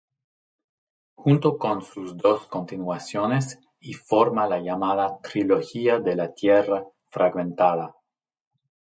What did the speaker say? Junto con sus dos continuaciones y forma la llamada "Trilogía de la Tierra Fragmentada".